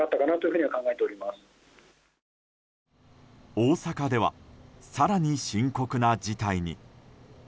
大阪では更に深刻な事態に。